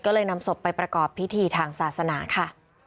ก็เลยนำศพไปประกอบพิธีทางศาสนาค่ะ